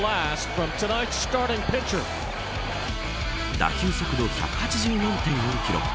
打球速度１８４．４キロ。